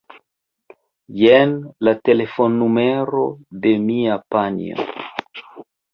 Jen la telefonnumero de mia panjo.